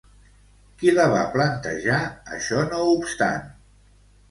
Qui la va plantejar, això no obstant?